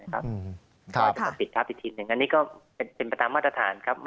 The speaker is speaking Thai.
เขาก็คงปิดครับนึกถึงอันนี้ก็เป็นไปตามมาตรฐานครับ